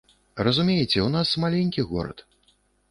Разумееце, у нас маленькі горад.